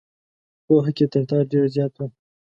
پوهه کې تر تا ډېر زیات ول.